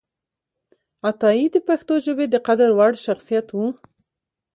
عطایي د پښتو ژبې د قدر وړ شخصیت و